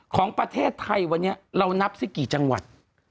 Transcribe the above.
ของประเทศไทยวันนี้เรานับสิกี่จังหวัด